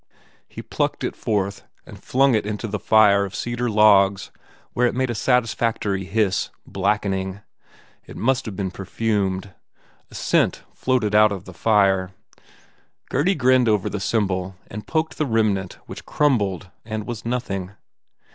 He plucked it forth and flung it into the fire of cedar logs where it made a satisfactory hiss, blackening. It must have been perfumed. A scent floated out of the fire. Gurdy grinned over the symbol and poked the remnant which crumbled and was nothing.